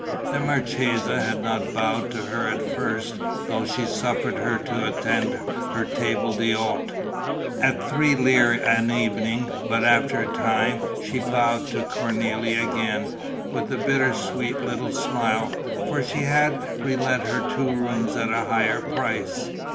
The marchesa had not bowed to her at first, though she suffered her to attend her table d'hôte, at three lire an evening; but after a time she bowed to Cornélie again, with a bitter sweet little smile, for she had relet her two rooms at a higher price.